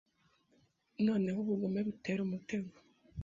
Noneho Ubugome butera umutego